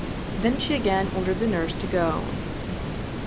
Then she again ordered the nurse to go.